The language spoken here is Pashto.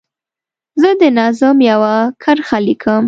زه د نظم یوه کرښه لیکم.